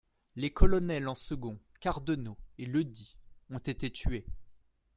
Les colonels en second Cardenau et Leudy ont été tués.